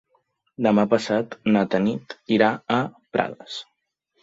Demà passat na Tanit irà a Prades.